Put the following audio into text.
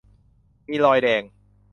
มีรอยแดง